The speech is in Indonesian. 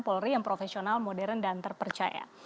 polri yang profesional modern dan terpercaya